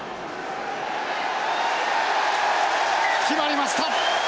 決まりました！